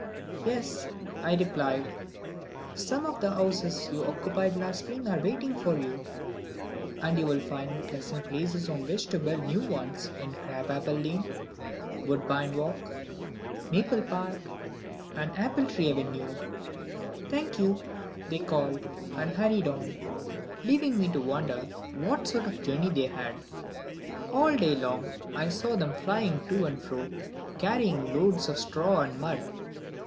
"Yes," I replied, "some of the houses you occupied last spring are waiting for you, and you will find pleasant places on which to build new ones in Crab Apple Lane, Woodbine Walk, Maple Park, and Apple Tree Avenue." "Thank you," they called, and hurried on, leaving me to wonder what sort of a journey they had. All day long I saw them flying to and fro, carrying loads of straw and mud.